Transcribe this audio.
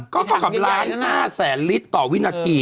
ก็เท่ากับ๑๕๐๐ลิตรต่อวินาที